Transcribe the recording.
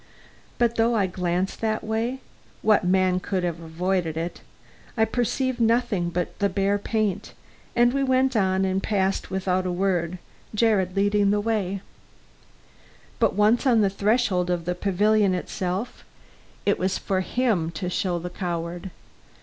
But though I glanced that way what man could have avoided it? I perceived nothing but the bare paint, and we went on and passed in without a word, Jared leading the way. But once on the threshold of the pavilion itself, it was for him to show the coward.